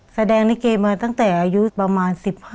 แสดงลิเกมาตั้งแต่อายุประมาณ๑๕